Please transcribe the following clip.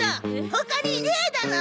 他にいねーだろ！